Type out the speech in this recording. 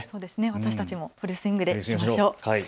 私たちもフルスイングでいきましょう。